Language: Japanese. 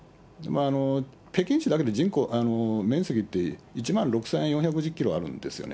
北京市だけで、面積って１万６４１０キロあるんですよね。